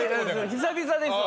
久々ですわ。